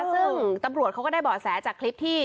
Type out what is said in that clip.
ซึ่งตำรวจเขาก็ได้เบาะแสจากคลิปที่